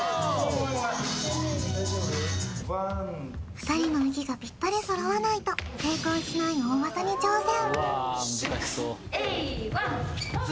２人の息がぴったり揃わないと成功しない大技に挑戦